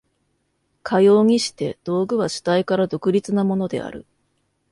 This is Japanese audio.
かようにして道具は主体から独立なものである。